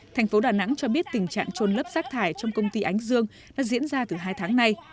thành phố đà nẵng cho biết tình trạng trôn lấp rác thải trong công ty ánh dương đã diễn ra từ hai tháng nay